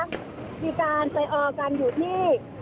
มีการไปออกันอยู่ที่